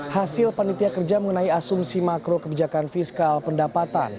hasil panitia kerja mengenai asumsi makro kebijakan fiskal pendapatan